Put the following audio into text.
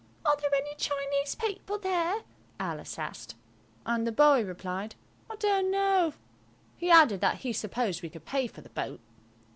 "Are there any Chinese people there?" Alice asked. And the boy replied, "I dunno." He added that he supposed we could pay for the boat.